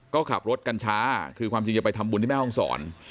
ก็ขับรถกันช้าคือความจริงจะไปทำบุญที่แม่ห้องศร